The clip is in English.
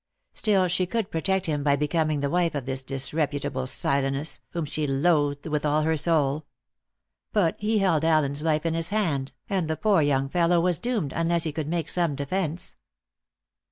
Still, she could protect him by becoming the wife of this disreputable Silenus, whom she loathed with all her soul. But he held Allen's life in his hand, and the poor young fellow was doomed unless he could make some defence.